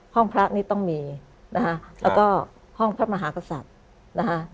พระนี่ต้องมีนะคะแล้วก็ห้องพระมหากษัตริย์นะคะ